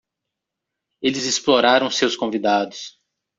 Eles exploraram seus convidados.